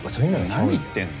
何言ってんの？